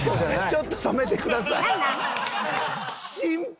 ちょっと止めてください。